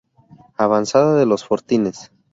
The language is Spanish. Avanzada de los fortines.